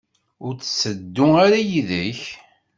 Ur tetteddu ara yid-k?